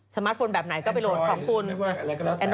มาร์ทโฟนแบบไหนก็ไปโหลดของคุณ